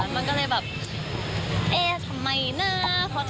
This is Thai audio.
มันก็เลยแบบเอ๊ทำไมนะเพราะฉันไม่ออกมาพูด